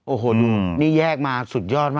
โอ้โหนี่แยกมาสุดยอดมาก